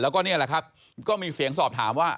แล้วก็นี่แหละครับก็มีเสียงสอบถามว่า